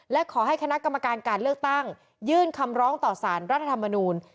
และขอให้คณะกรรมการการเลือกตั้งยื่นคำร้องต่อสารรัฐธรรมนูล